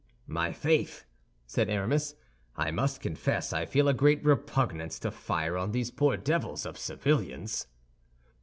"My faith," said Aramis, "I must confess I feel a great repugnance to fire on these poor devils of civilians."